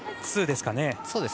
そうですね。